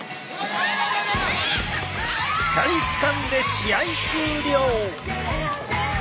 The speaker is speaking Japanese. しっかりつかんで試合終了！